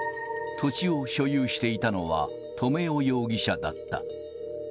土地を所有していたのは留与容疑者だった。